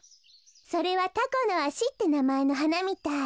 それはタコノアシってなまえのはなみたい。